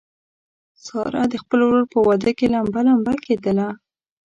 ساره د خپل ورور په واده کې لمبه لمبه کېدله.